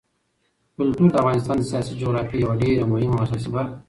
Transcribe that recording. کلتور د افغانستان د سیاسي جغرافیې یوه ډېره مهمه او اساسي برخه ده.